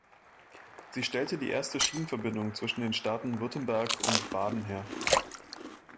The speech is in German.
Sie stellte die erste Schienenverbindung zwischen den Staaten Württemberg und Baden her.